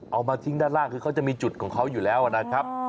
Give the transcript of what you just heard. เอามาทิ้งด้านล่างคือเขาจะมีจุดของเขาอยู่แล้วนะครับ